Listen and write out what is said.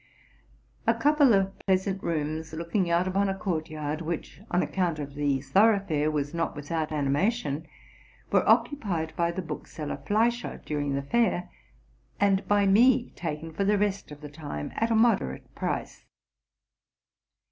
A couple of pleasant rooms looking out upon a court yard, which, on account of the thoroughfare, was not without animation, were occupied by the bookseller Fleischer during the fair, and by me taken for the rest of the time at a moderate price.